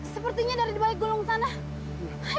sepertinya dari balik gulung sana